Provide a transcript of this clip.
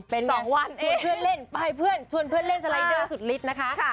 เป็นสองวันชวนเพื่อนเล่นไปเพื่อนชวนเพื่อนเล่นสไลเดอร์สุดฤทธิ์นะคะ